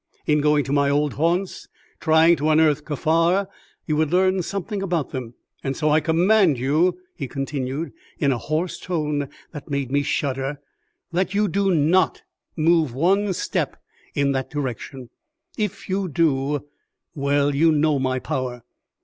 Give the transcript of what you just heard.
In going to my old haunts, trying to unearth Kaffar, you would learn something about them. And so I command you," he continued, in a hoarse tone that made me shudder, "that you do not move one step in that direction. If you do well, you know my power."